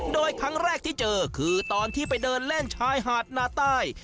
โดยครั้งแรกที่เจอคือตอนที่ไปเดินเล่นชายหาดนาใต้